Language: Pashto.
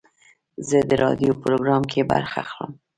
زه د راډیو پروګرام کې برخه اخلم.